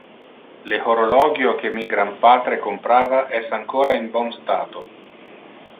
Le horologio que mi granpatre comprava es ancora in bon stato.